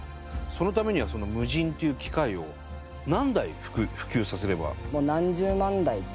そのためにはそのＭｕｊｉｎっていう機械を何台普及させれば？